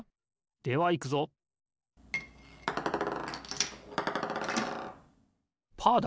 ではいくぞパーだ！